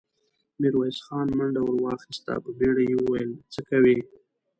ميرويس خان منډه ور واخيسته، په بيړه يې وويل: څه کوئ!